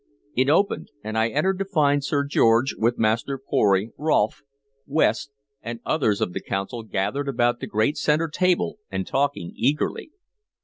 It opened, and I entered to find Sir George, with Master Pory, Rolfe, West, and others of the Council gathered about the great centre table and talking eagerly.